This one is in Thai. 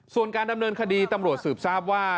ส่วนการดำเนินคดีตำรวจสืบทราบว่า